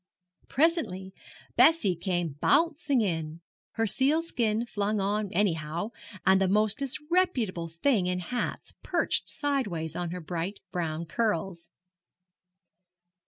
Presently Bessie came bouncing in, her sealskin flung on anyhow, and the most disreputable thing in hats perched sideways on her bright brown curls.